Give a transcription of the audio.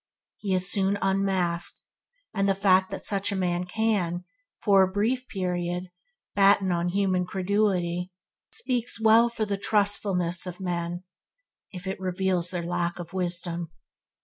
He is soon unmasked and disagreed; and the fact that such a man can, for even a brief period, batten on human credulity, speaks well for the trustfulness of men, if it reveals their lack of wisdom.